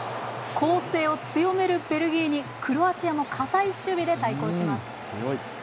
攻勢を強めるベルギーにクロアチアも堅い守備で対抗します。